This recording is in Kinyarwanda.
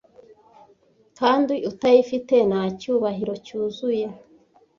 kandi utayifite nta cyubahiro cyuzuye